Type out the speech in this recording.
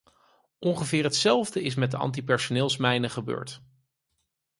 Ongeveer hetzelfde is met de antipersoneelsmijnen gebeurd.